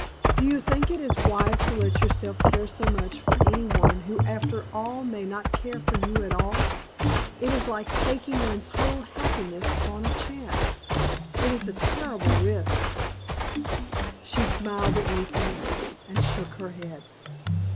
Do you think it is wise to let yourself care so much for any one who after all may not care for you at all? It is like staking one's whole happiness upon a chance. It is a terrible risk." She smiled at me faintly, and shook her head.